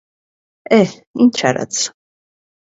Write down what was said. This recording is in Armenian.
Է՛հ, ի՞նչ արած: